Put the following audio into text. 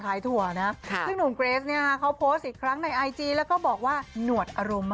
คิดว่าเป็นอาบังขายถั่วนะรับ